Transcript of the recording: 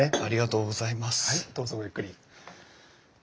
はいどうぞごゆっくり。